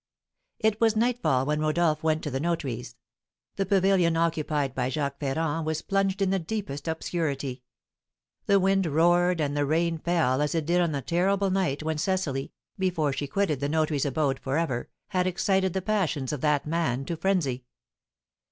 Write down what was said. It was nightfall when Rodolph went to the notary's. The pavilion occupied by Jacques Ferrand was plunged in the deepest obscurity; the wind roared and the rain fell as it did on the terrible night when Cecily, before she quitted the notary's abode for ever, had excited the passions of that man to frenzy.